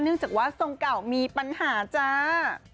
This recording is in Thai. เนื่องจากว่าทรงเก่ามีปัญหาจ้า